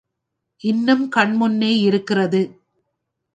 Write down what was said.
இன்னும் கண் முன்னே இருக்கிறது.